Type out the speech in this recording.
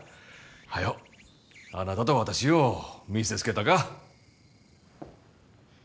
早うあなたと私を見せつけたか。